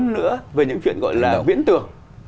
bốn nữa về những chuyện gọi là viễn tưởng